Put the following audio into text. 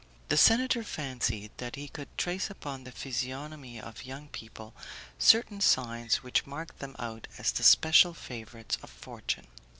The senator fancied that he could trace upon the physiognomy of young people certain signs which marked them out as the special favourites of fortune.